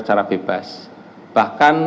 secara bebas bahkan